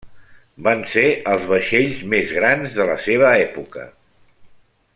Van ser els vaixells més grans de la seva època.